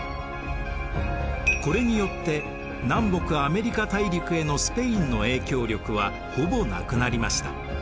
これによって南北アメリカ大陸へのスペインの影響力はほぼなくなりました。